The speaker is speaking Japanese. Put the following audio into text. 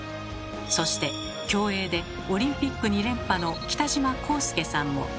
そして競泳でオリンピック２連覇の北島康介さんも。